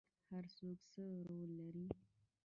هر څوک څه رول لري؟